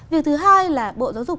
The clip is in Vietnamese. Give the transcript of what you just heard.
việc thứ hai là bộ giáo dục